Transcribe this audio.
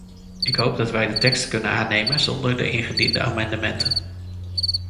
Ik hoop dat wij de tekst kunnen aannemen zonder de ingediende amendementen.